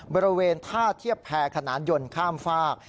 บริเวณท่าเทียบแพรขนานยนต์ข้ามฝาก